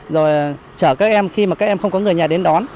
rồi chở các em khi mà các em không có người nhà đến đón